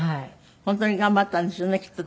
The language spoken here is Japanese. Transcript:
本当に頑張ったんでしょうねきっと。